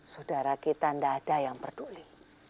sudara kita enggak ada yang peduli